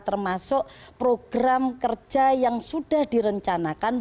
termasuk program kerja yang sudah direncanakan